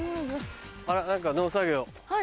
あら何か農作業。